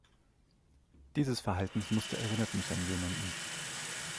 Dieses Verhaltensmuster erinnert mich an jemanden.